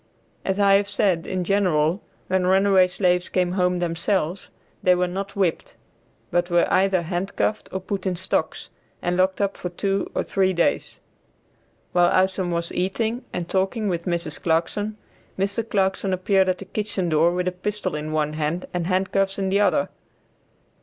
As I have said, in general, when runaway slaves came home themselves, they were not whipped, but were either handcuffed or put in stocks, and locked up for two or three days. While Isom was eating and talking with Mrs. Clarkson, Mr. Clarkson appeared at the kitchen door with a pistol in one hand and handcuffs in the other.